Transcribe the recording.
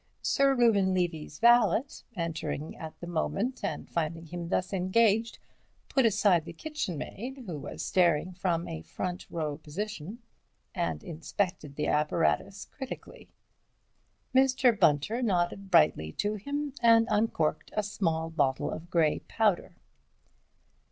Sir Reuben Levy's valet, entering at the moment and finding him thus engaged, put aside the kitchenmaid, who was staring from a front row position, and inspected the apparatus critically. Mr. Bunter nodded brightly to him, and uncorked a small bottle of grey powder.